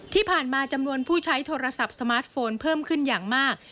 จำนวนผู้ใช้โทรศัพท์สมาร์ทโฟนเพิ่มขึ้นอย่างมาก